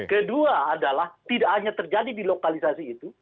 kedua adalah tidak hanya terjadi di lokalisasi itu